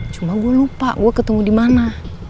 cuma gue lupa gue ketemu dimana